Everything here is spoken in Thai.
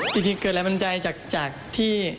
จริงเกิดแบบนำใจจากที่